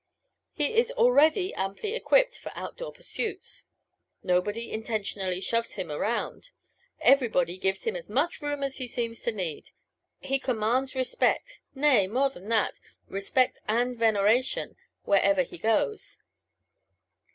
He is already amply equipped for outdoor pursuits. Nobody intentionally shoves him round; everybody gives him as much room as he seems to need. He commands respect nay, more than that, respect and veneration wherever he goes.